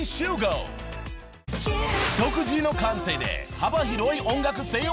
［独自の感性で幅広い音楽性を発揮］